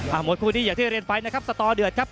มวยคู่นี้อย่างที่เรียนไปนะครับสตอเดือดครับ